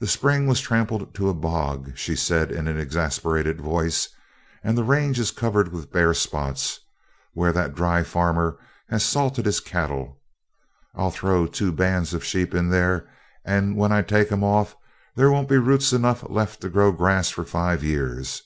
"The spring was trampled to a bog," she said in an exasperated voice, "and the range is covered with bare spots where that dry farmer has salted his cattle. I'll throw two bands of sheep in there, and when I take 'em off there won't be roots enough left to grow grass for five years.